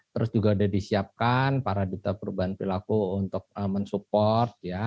terus juga sudah disiapkan para diperbantu perilaku untuk mensupport